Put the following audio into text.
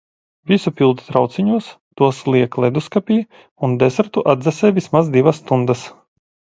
Visu pilda trauciņos, tos liek ledusskapī un desertu atdzesē vismaz divas stundas.